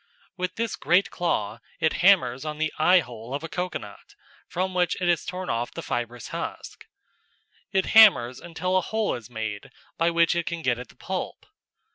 With this great claw it hammers on the "eye hole" of a coconut, from which it has torn off the fibrous husk. It hammers until a hole is made by which it can get at the pulp.